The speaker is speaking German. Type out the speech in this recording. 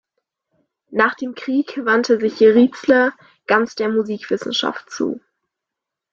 Nach dem Krieg wandte sich Riezler ganz der Musikwissenschaft zu.